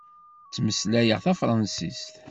Ttmeslayeɣ tafṛansist.